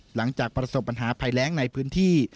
หลังจากประสบปัญหาภัยแรงในพื้นที่